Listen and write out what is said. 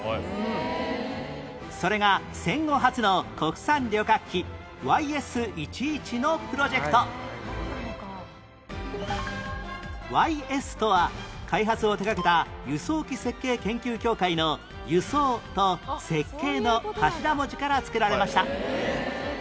それが戦後初の国産旅客機 ＹＳ−１１ のプロジェクト「ＹＳ」とは開発を手掛けた輸送機設計研究協会の「輸送」と「設計」の頭文字から付けられました